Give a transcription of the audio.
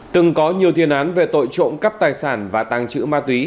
từng có nhiều thiên án về tội trộm cắp tài sản và tàng trữ ma túy